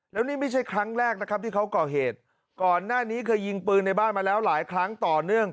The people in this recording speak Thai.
แล้วนี่ไม่ใช่ครั้งแรกนะครับที่เขาก่อเหตุก่อนหน้านี้เคยยิงปืนในบ้านมาแล้วหลายครั้งต่อเนื่อง